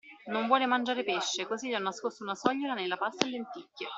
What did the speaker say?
Non vuole mangiare pesce, così gli ho nascosto una sogliola nella pasta e lenticchie.